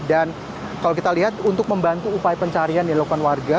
dan kalau kita lihat untuk membantu upaya pencarian yang dilakukan warga